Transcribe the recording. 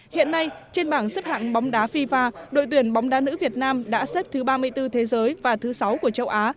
hiện nay trên bảng xếp hạng bóng đá fifa đội tuyển bóng đá nữ việt nam đã xếp thứ ba mươi bốn thế giới và thứ sáu của châu á